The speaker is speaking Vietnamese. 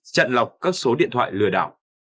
chặn lọc các số điện thoại lửa đảo